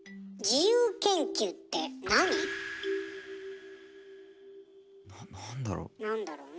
自由研究ってなんだろう？